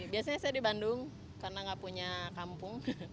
biasanya saya di bandung karena nggak punya kampung